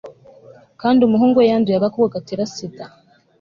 kandi umuhungu we yanduye agakoko gatera sida